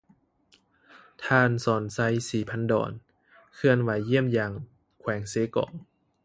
ທ່ານ ສອນໄຊ ສີພັນດອນ ເຄື່ອນໄຫວຢ້ຽມຢາມແຂວງເຊກອງ